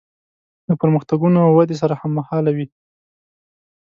له پرمختګونو او ودې سره هممهاله وي.